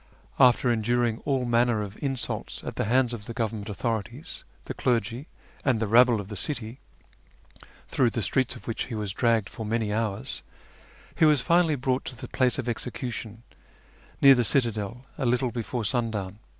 After enduring all manner of insults at the hands of the Government authorities, the clergy, and the rabble of the city, through the streets of which he was dragged for many hours, he was finally brought to the place of execution, near the citadel, a little before sundown.